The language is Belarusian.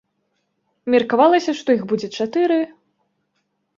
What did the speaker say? Меркавалася, што іх будзе чатыры.